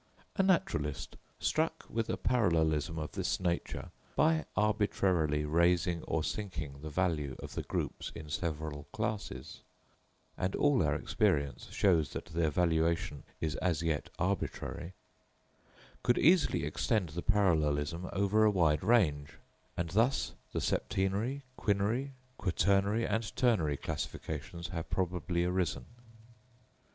A naturalist, struck with a parallelism of this nature, by arbitrarily raising or sinking the value of the groups in several classes (and all our experience shows that their valuation is as yet arbitrary), could easily extend the parallelism over a wide range; and thus the septenary, quinary, quaternary and ternary classifications have probably arisen.